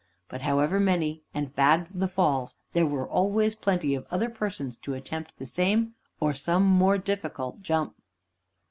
But however many and bad the falls, there were always plenty of other persons to attempt the same or some more difficult jump.